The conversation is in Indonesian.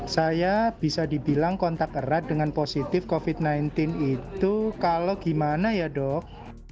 saya bisa dibilang kontak erat dengan positif covid sembilan belas itu kalau gimana ya dok